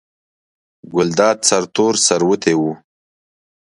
ګلداد سرتور سر وتی و.